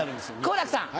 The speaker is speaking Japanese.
好楽さん。